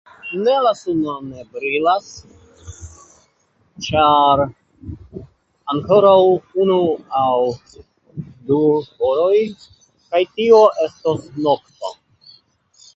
Ne, la suno ne brilas. Ĉar ankoraŭ unu aŭ du horoj kaj tio estos nokto.